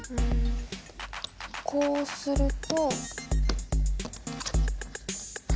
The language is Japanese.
こうすると。